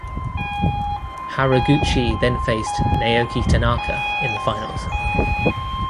Haraguchi then faced Naoki Tanaka in the finals.